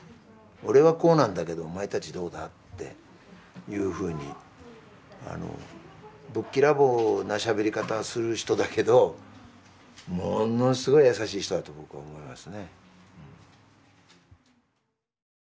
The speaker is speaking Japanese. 「俺はこうなんだけどお前たちどうだ？」っていうふうにぶっきらぼうなしゃべり方する人だけどものすごい優しい人だと僕は思いますね。